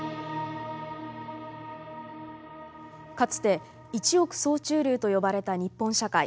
かつて一億総中流と呼ばれた日本社会。